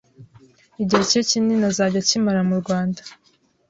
igihe cye kinini azajya akimara mu Rwanda